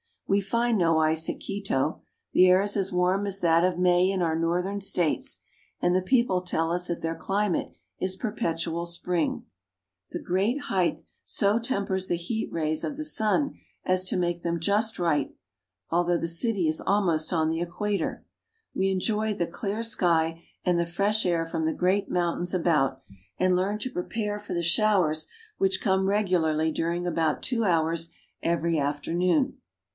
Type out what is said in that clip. We find no ice at Quito. The air is as warm as that of May in our northern States, and the people tell us that their climate is perpetual spring. The great height so tem ,^#^^^ A Climbing the Andes. LAND OF THE EQUATOR. 47 ■■n r ' 1 «#,„#'" Chimborazo. pers the heat rays of the sun as to make them just right, although the city is almost on the equator. We enjoy the clear sky and the fresh air from the great mountains about, and learn to prepare for the showers which come regularly during about two hours every afternoon.